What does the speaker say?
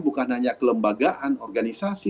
bukan hanya kelembagaan organisasi